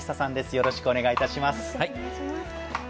よろしくお願いします。